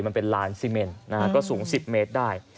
มันเป็นลานซีเมนนะฮะก็สูง๑๐เมตรได้